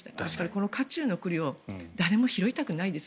この火中の栗を誰も拾いたくないです。